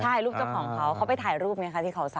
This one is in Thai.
ใช่รูปเจ้าของเขาเขาไปถ่ายรูปไงคะที่เขาส